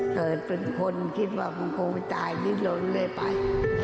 เกิดเป็นคนคิดว่ามันคงไม่ตายดิ้นล้นเลยไป